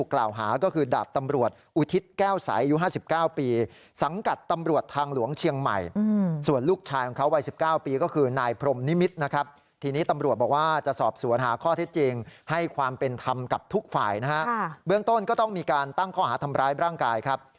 กับทุกฝ่ายนะฮะเบื้องต้นก็ต้องมีการตั้งข้ออาทำร้ายร่างกายครับ